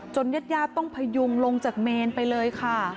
จนยัดต้องพยุงลงจากเมศไปเลยค่ะ